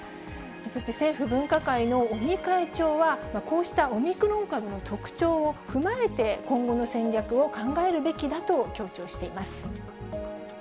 そして政府分科会の尾身会長は、こうしたオミクロン株の特徴を踏まえて、今後の戦略を考えるべきだと強調しています。